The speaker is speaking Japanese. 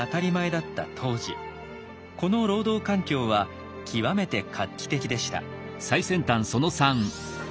当時この労働環境は極めて画期的でした。